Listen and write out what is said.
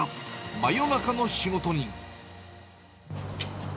真夜中の仕事人。